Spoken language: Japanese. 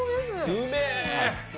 うめえ！